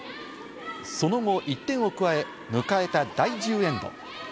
その後１点を加え、迎えた第１０エンド。